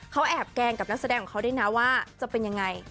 เขาแอบแกล้งกับนักแสดงของเขาด้วยนะว่าจะเป็นยังไง